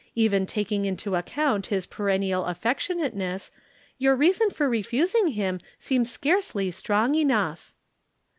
Even taking into account his perennial affectionateness, your reason for refusing him seems scarcely strong enough."